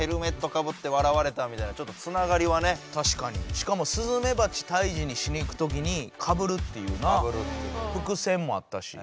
しかもスズメバチ退治しに行く時にかぶるっていうなふく線もあったし。